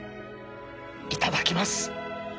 いただきます